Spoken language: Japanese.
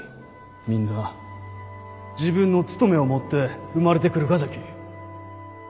みんな自分の務めを持って生まれてくるがじゃき。